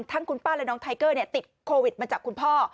ทั้งคุณป้าและน้องไทเกอร์ติดโควิดมาจากคุณพ่อ